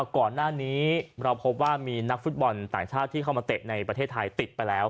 ก่อนหน้านี้เราพบว่ามีนักฟุตบอลต่างชาติที่เข้ามาเตะในประเทศไทยติดไปแล้ว